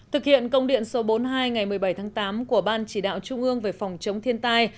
thực hiện công điện số bốn mươi hai ngày một mươi bảy tháng tám của ban chỉ đạo trung ương về phòng chống thiên tai